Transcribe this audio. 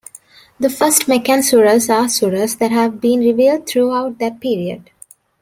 The First Meccan surahs are surahs that have been revealed throughout that period.